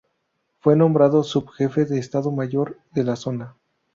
Fue nombrado subjefe de Estado Mayor de la zona.